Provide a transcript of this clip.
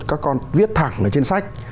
các con viết thẳng trên sách